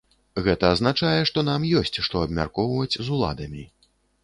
Гэта азначае, што нам ёсць што абмяркоўваць з уладамі.